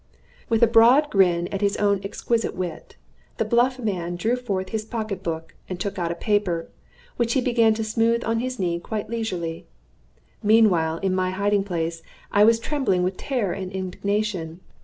With a broad grin at his own exquisite wit, the bluff man drew forth his pocket book, and took out a paper, which he began to smooth on his knee quite leisurely. Meanwhile, in my hiding place, I was trembling with terror and indignation.